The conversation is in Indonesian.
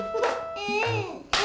buset jinal bidin